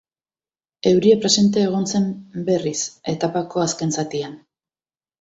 Euria presente egon zen, berriz, etapako azken zatian.